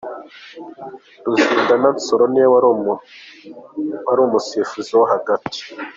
Ruzindana Nsoro ni we wari umusifuzi wo hagati